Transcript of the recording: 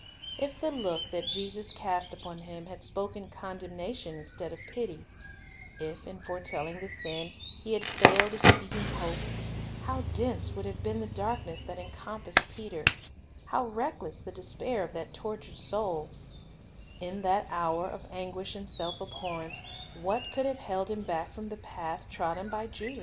If the look that Jesus cast upon him had spoken condemnation instead of pity ; if in foretelling the sin He had failed of speaking hope, how dense would have been the darkness that encompassed Peter! how reckless the despair of that tortured soul! In that hour of anguish and self abhorrence, what could have held him back from the path trodden by Judas ? 1 Luke 22 : 34. 2 I.uke 22 : 33. 3 Luke 22 : 31, 32.